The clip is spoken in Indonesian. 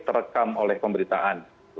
terekam oleh pemberitaan